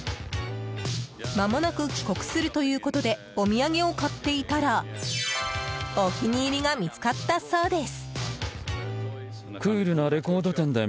まもなく帰国するということでお土産を買っていたらお気に入りが見つかったそうです。